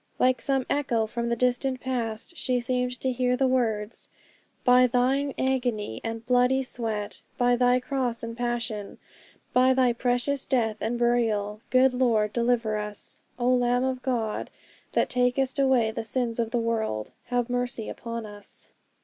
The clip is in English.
Like some echo from the distant past she seemed to hear the words, 'By Thine agony and bloody sweat; by Thy cross and passion; by Thy precious death and burial, good Lord deliver us. O Lamb of God, that takest away the sins of the world, have mercy upon us.'